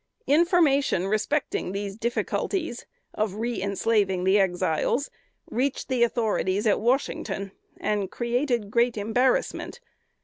Information, respecting these difficulties of reënslaving the Exiles, reached the authorities at Washington, and created great embarrassment.